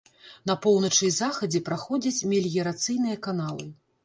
На поўначы і захадзе праходзяць меліярацыйныя каналы.